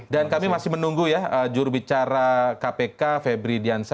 dan kami masih menunggu ya jurubicara kpk febri diansa